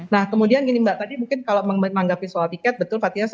nah kemudian gini mbak tadi mungkin kalau menganggap visual ticket betul pak tias